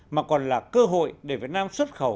mà còn là cơ hội để việt nam xuất khẩu